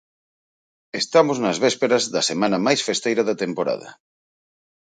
Estamos nas vésperas da semana máis festeira da temporada.